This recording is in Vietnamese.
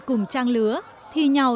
cùng trang lứa thi nhau